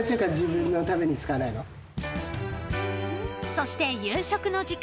［そして夕食の時間］